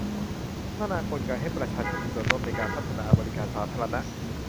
พัฒนากลไกให้ประชาชนมีส่วนร่วมในการพัฒนาบริการสาธารณะ